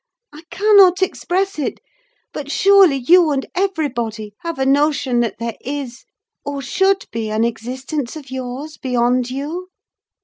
I cannot express it; but surely you and everybody have a notion that there is or should be an existence of yours beyond you.